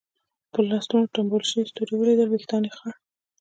پر لستوڼو ټومبل شوي ستوري ولیدل، وېښتان یې خړ.